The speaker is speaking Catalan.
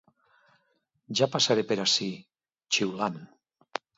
Ja passaré per ací... xiulant.